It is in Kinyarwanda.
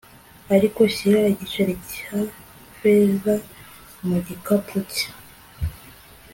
Ariko shyira igiceri cya feza mu gikapu cye